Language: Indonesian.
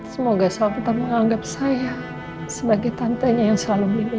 semoga sal tetap menganggap saya sebagai tantanya yang selalu melindungi dia